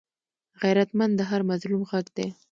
غیرتمند د هر مظلوم غږ دی